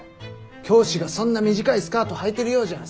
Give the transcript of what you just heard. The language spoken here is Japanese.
教師がそんな短いスカートはいてるようじゃ